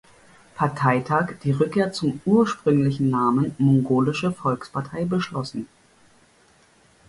Parteitag die Rückkehr zum ursprünglichen Namen 'Mongolische Volkspartei' beschlossen.